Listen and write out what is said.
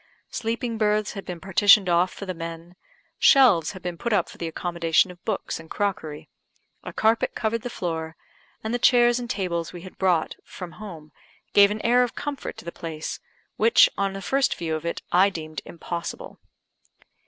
Sleeping berths had been partitioned off for the men; shelves had been put up for the accommodation of books and crockery, a carpet covered the floor, and the chairs and tables we had brought from gave an air of comfort to the place, which, on the first view of it, I deemed impossible.